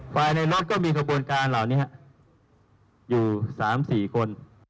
ภายในรถก็มีขบวนการเหล่านี้อยู่๓๔คน